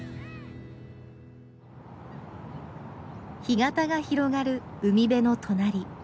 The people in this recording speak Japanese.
干潟が広がる海辺の隣。